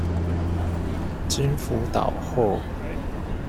經輔導後